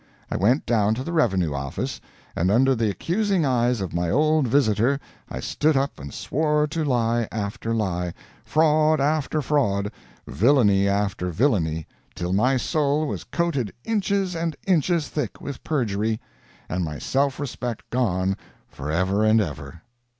I went down to the revenue office, and under the accusing eyes of my old visitor I stood up and swore to lie after lie, fraud after fraud, villainy after villainy, till my soul was coated inches and inches thick with perjury, and my self respect gone for ever and ever.